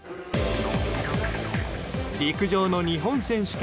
陸上の日本選手権。